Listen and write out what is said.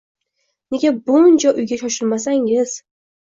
Nega buncha uyga shoshilmasangiz